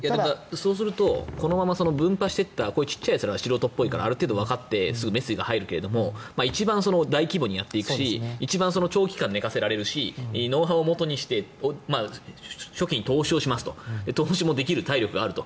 そうするとこのまま分派していったこういう小さいやつらがある程度、メスが入って見つかるけど一番大規模にやっていくし一番長期間寝かせられるしノウハウをもとにして初期の投資をしますと投資をできる体力もあると。